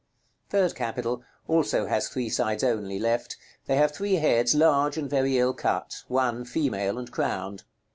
THIRD CAPITAL. Also has three sides only left. They have three heads, large, and very ill cut; one female, and crowned.